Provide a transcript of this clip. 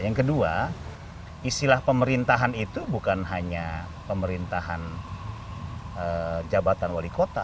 yang kedua istilah pemerintahan itu bukan hanya pemerintahan jabatan wali kota